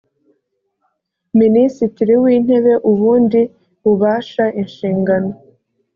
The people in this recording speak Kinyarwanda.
minisitiri w intebe ubundi bubasha inshingano